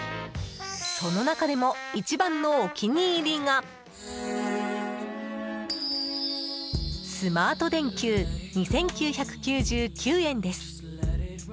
その中でも一番のお気に入りがスマート電球、２９９９円です。